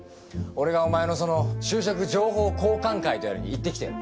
俺がお前のその就職情報交換会とやらに行ってきてやる。